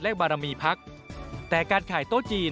๔เงินจากการจัดกิจกรรมระดมทุนเช่นจัดระดมทุนขายโต๊ะจีน